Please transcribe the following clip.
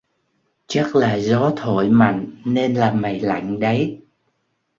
Chắc là gió thổi mạnh nên là mày lạnh đấy